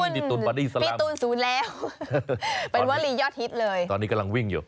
พี่ตูนพี่ตูนสูญแล้วเป็นว่าลียอดฮิตเลยตอนนี้กำลังวิ่งอยู่